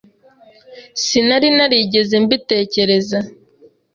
Sinari narigeze mbitekereza.